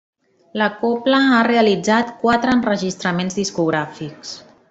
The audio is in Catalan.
La cobla ha realitzat quatre enregistraments discogràfics.